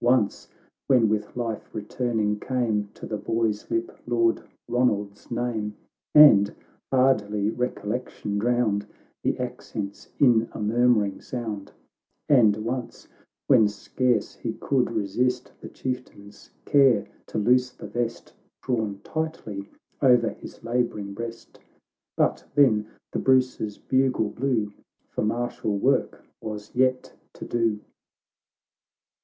Once, when, with life returning, came To the boy's lip Lord Ronald's name, And hardly recollection drowned The accents in a murmuring sound ; And once, when scarce he could resist The Chieftain's care to loose the vest, Drawn tightly o'er his labouring breast. But then the Bruce's bugle blew, For martial work was yet to do.